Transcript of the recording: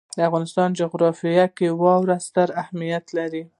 د افغانستان جغرافیه کې واوره ستر اهمیت لري.